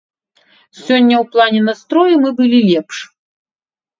Сёння ў плане настрою мы былі лепш.